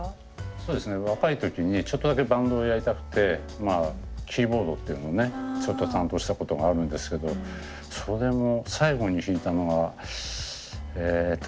そうですね若い時にちょっとだけバンドをやりたくてまあキーボードっていうのねちょっと担当したことがあるんですけどそれも最後に弾いたのがえっと